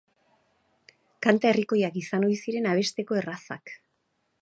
Kanta herrikoiak izan ohi ziren, abesteko errazak.